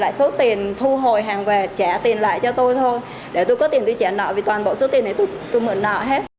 lại số tiền thu hồi hàng về trả tiền lại cho tôi thôi để tôi có tiền tôi trả nợ vì toàn bộ số tiền đấy tôi mượn nợ hết